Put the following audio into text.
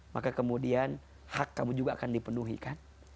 maka kemudian hak kamu juga akan dipenuhi kan